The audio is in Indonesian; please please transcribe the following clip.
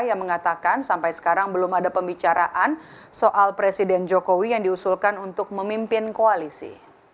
yang mengatakan sampai sekarang belum ada pembicaraan soal presiden jokowi yang diusulkan untuk memimpin koalisi